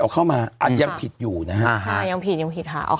ออกเข้ามาอันยังผิดอยู่นะฮะอ่ายังผิดยังผิดค่ะเอาเข้ามาไม่ได้